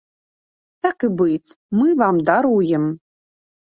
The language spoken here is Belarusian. Так і быць, мы вам даруем.